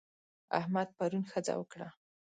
احمد پرون ښځه وکړه.